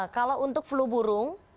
kalau untuk flu burung